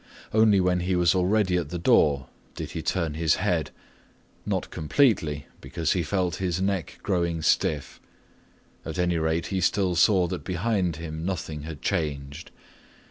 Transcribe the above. Only when he was already in the door did he turn his head, not completely, because he felt his neck growing stiff. At any rate he still saw that behind him nothing had changed.